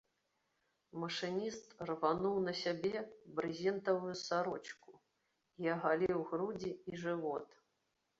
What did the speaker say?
Машыніст рвануў на сабе брызентавую сарочку і агаліў грудзі і жывот.